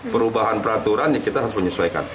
perubahan peraturan ya kita harus menyesuaikan